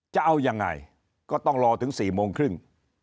จะเอายังไงก็ต้องรอถึง๔โมงครึ่ง